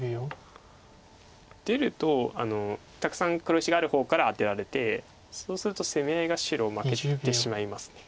出るとたくさん黒石がある方からアテられてそうすると攻め合いが白負けてしまいます。